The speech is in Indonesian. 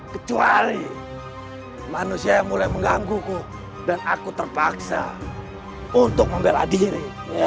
kecuali manusia mulai menggangguku dan aku terpaksa untuk membela diri